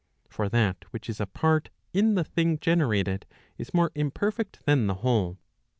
For that which is a part in the thing gene¬ rated, is more imperfect than the whole.